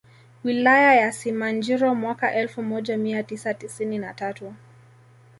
Wilaya ya Simanjiro mwaka elfu moja mia tisa tisini na tatu